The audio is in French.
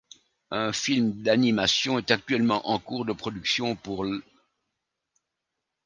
Un film d'animation est actuellement en cours de production pour l'.